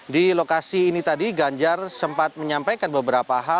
di lokasi ini tadi ganjar sempat menyampaikan beberapa hal